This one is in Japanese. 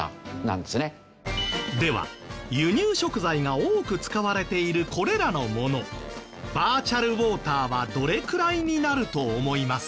では輸入食材が多く使われているこれらのものバーチャルウォーターはどれくらいになると思いますか？